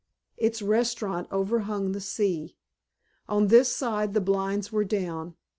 Its restaurant overhung the sea. On this side the blinds were down.